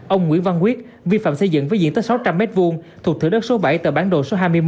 ông nguyễn văn quyết vi phạm xây dựng với diện tích sáu trăm linh m hai thuộc thử đất số bảy tờ bản đồ số hai mươi một